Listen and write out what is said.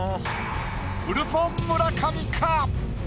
フルポン・村上か？